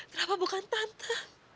kenapa bukan tante